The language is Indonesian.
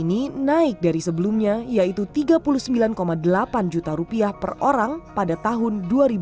ini naik dari sebelumnya yaitu rp tiga puluh sembilan delapan juta rupiah per orang pada tahun dua ribu dua puluh